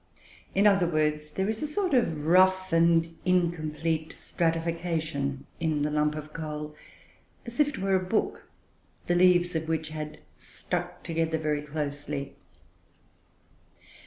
In other words, there is a sort of rough and incomplete stratification in the lump of coal, as if it were a book, the leaves of which had stuck together very closely.